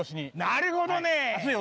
なるほどね！